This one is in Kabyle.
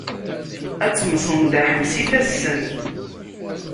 Ad temsenḍaḥem s ifassen.